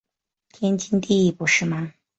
天经地义不是吗？